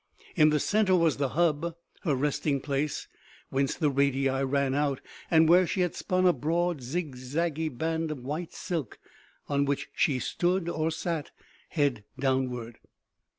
In the center was the hub, her resting place, whence the radii ran out, and where she had spun a broad zigzaggy band of white silk on which she stood or sat head downward.